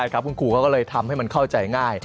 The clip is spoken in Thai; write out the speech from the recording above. คุณครูเขาก็เลยทำให้มันเข้าใจง่าย